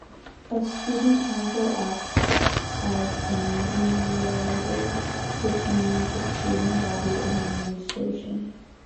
A student council acts as a mediator between the student body and the administration.